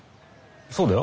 そうだよ。